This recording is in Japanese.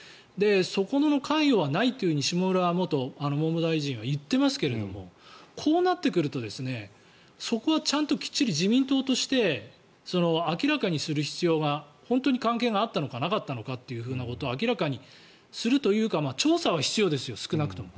そこの関与はないというふうに下村元文科大臣は言っていますけれどもこうなってくるとそこはちゃんときっちり自民党として明らかにする必要が本当に関係があったのかなかったのかということを明らかにするというか調査は必要ですよ、少なくとも。